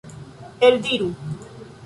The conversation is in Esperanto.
Eldiru!